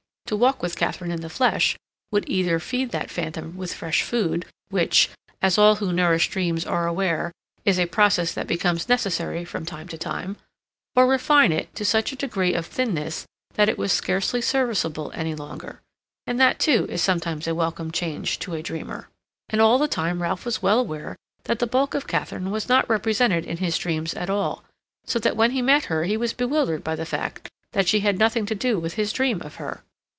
To walk with Katharine in the flesh would either feed that phantom with fresh food, which, as all who nourish dreams are aware, is a process that becomes necessary from time to time, or refine it to such a degree of thinness that it was scarcely serviceable any longer; and that, too, is sometimes a welcome change to a dreamer. And all the time Ralph was well aware that the bulk of Katharine was not represented in his dreams at all, so that when he met her he was bewildered by the fact that she had nothing to do with his dream of her.